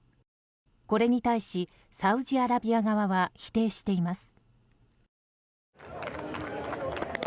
これに対し、サウジアラビア側は否定しています。